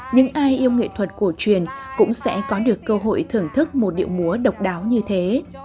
những ai yêu nghệ thuật cổ truyền cũng sẽ có được cơ hội thưởng thức một điệu múa độc đáo như thế